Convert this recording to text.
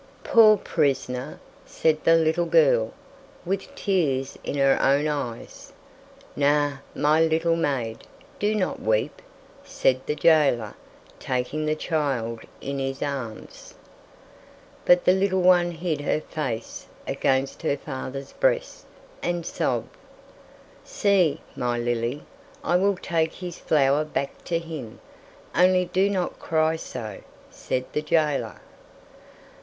"Poor prisoner!" said the little girl, with tears in her own eyes. "Nay, my little maid, do not weep," said the jailer, taking the child in his arms. But the little one hid her face against her father's breast and sobbed. "See, my Lily, I will take his flower back to him, only do not cry so," said the jailer.